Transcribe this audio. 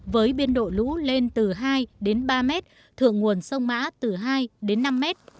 với biên độ lũ lên từ hai đến ba m thượng nguồn sông mã từ hai đến năm m